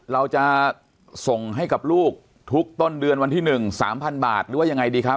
เราจะส่งให้กับลูกทุกต้นเดือนวันที่๑๓๐๐บาทหรือว่ายังไงดีครับ